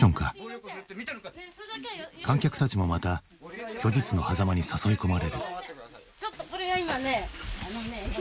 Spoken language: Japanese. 観客たちもまた虚実のはざまに誘い込まれる。